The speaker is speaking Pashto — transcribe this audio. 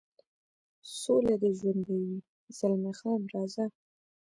سوله دې ژوندی وي، زلمی خان: راځه.